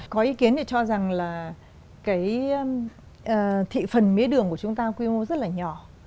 có ý kiến thì cho rằng là cái thị phần mía đường của chúng ta quy mô rất là nhỏ